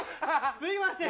すいません。